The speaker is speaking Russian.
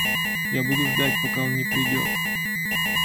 Я буду ждать пока он не придёт.